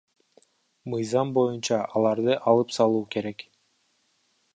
Мыйзам боюнча аларды алып салуу керек.